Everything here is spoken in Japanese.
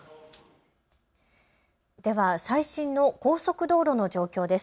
では最新の高速道路の状況です。